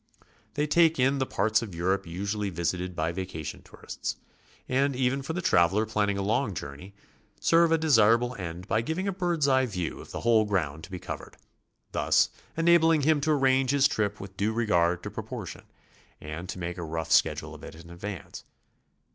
They take in the parts of Europe usually visited by vacation tourists, and even for the traveler planning a long journey serve a desirable end by giving a bird's eye view of the whole ground to be covered, thus enabling him to arrange his trip with due regard to pro portion, and to make a rough schedule of it in advance.